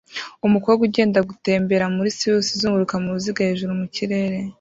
Umukobwa ugenda gutembera muri sirusi izunguruka mu ruziga hejuru mu kirere